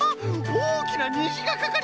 おおきなにじがかかりました！